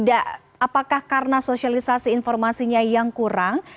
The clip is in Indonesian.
apakah karena sosialisasi informasinya yang kurang